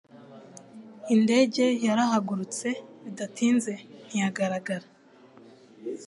Indege yarahagurutse bidatinze ntiyagaragara.